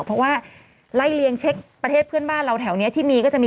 เพราะว่าไล่เลียงเช็คประเทศเพื่อนบ้านเราแถวนี้ที่มีก็จะมี